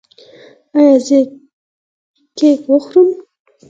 ایا زه کیک وخورم؟